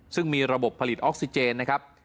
ซึ่งมีระบบผลิตออกซิเจนนะครับ